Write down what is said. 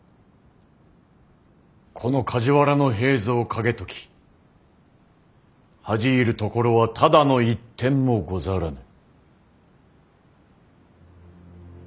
この梶原平三景時恥じ入るところはただの一点もござらぬ。